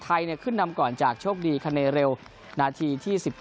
ไทยขึ้นนำก่อนจากโชคดีคาเนเร็วนาทีที่๑๗